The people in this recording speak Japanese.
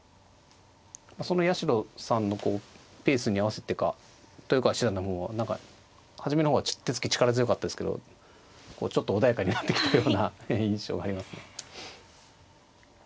その八代さんのペースに合わせてか豊川七段の方も何か初めの方は手つき力強かったですけどちょっと穏やかになってきたような印象がありますね。